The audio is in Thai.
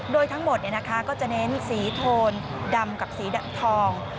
โดยทั้งหมดก็จะเน้นสีโทนดำกับสีดำทอง